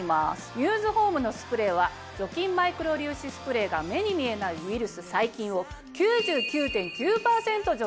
ミューズホームのスプレーは除菌マイクロ粒子スプレーが目に見えないウイルス・細菌を９９．９％除菌。